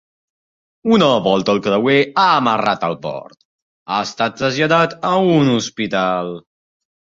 Una volta el creuer ha amarrat al port, ha estat traslladat a un hospital.